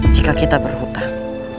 jika kita berhutang